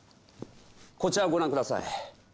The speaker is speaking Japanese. こちらをご覧ください